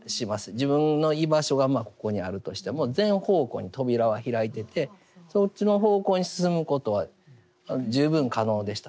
自分の居場所がここにあるとしても全方向に扉は開いててそっちの方向に進むことは十分可能でした。